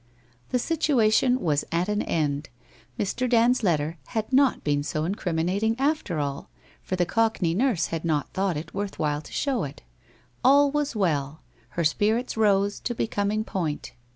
The situation was at an end. Mr. Dand's letter had not been so incriminating after all, for the Cockney nurse had not thought it worth while to show it. All was well. Her spirits rose to becoming point.